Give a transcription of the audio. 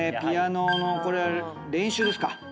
ピアノのこれは練習ですか？